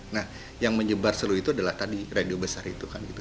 nah yang menyebar seluruh itu adalah tadi radio besar itu kan gitu